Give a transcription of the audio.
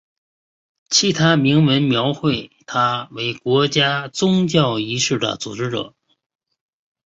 其他铭文描绘他为国家宗教仪式的组织者。